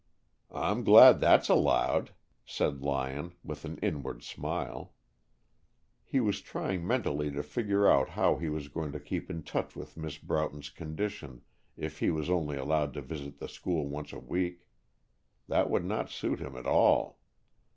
"I'm glad that's allowed," said Lyon, with an inward smile. He was trying mentally to figure out how he was going to keep in touch with Mrs. Broughton's condition if he was only allowed to visit the school once a week. That would not suit him at all.